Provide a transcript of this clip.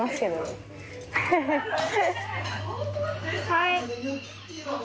はい。